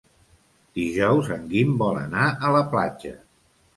Dijous en Guim vol anar a la platja.